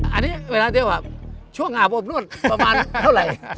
อันนี้เวลาเดียวช่วงอาบอบนวดประมาณเท่าไหร่